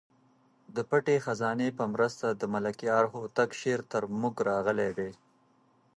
د پټې خزانې په مرسته د ملکیار هوتک شعر تر موږ راغلی دی.